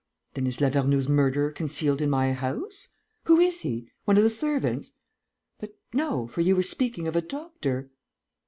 "Then is Lavernoux's murderer concealed in my house? Who is he? One of the servants? But no, for you were speaking of a doctor!..."